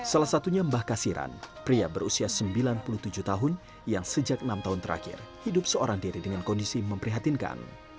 salah satunya mbah kasiran pria berusia sembilan puluh tujuh tahun yang sejak enam tahun terakhir hidup seorang diri dengan kondisi memprihatinkan